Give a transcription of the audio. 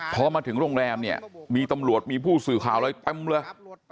พอมาถึงโรงแรมเนี่ยมีตำรวจมีผู้สื่อข่าวอะไรเต็มเลย